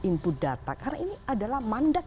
input data karena ini adalah mandat